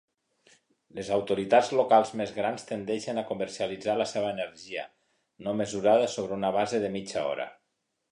Les autoritats locals més grans tendeixen a comercialitzar la seva energia no mesurada sobre una base de mitja hora.